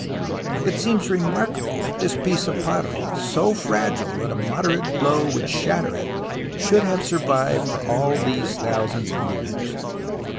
It seems remarkable that this piece of pottery, so fragile that a moderate blow would shatter it, should have survived for all these thousands of years.